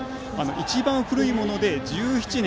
一番古いもので１７年。